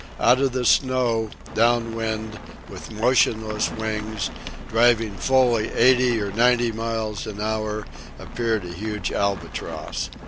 Out of the snow, down wind, with motionless wings, driving fully eighty or ninety miles an hour, appeared a huge albatross.